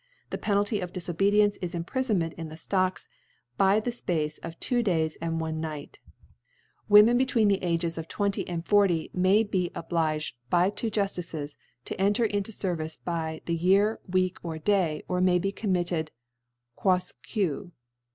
The * Penalty of Difobcdience is Imprifonment * in the Stocks by the Space of two Days * and one Night *.* Women between the Age of 1 2 and * 40, may be obliged, by two Juftices, to * enter into Service by the Year, Week, or * Day I or may be committed fuoufque *t*.